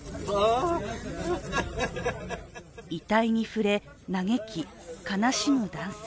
遺体に触れ、嘆き、悲しむ男性。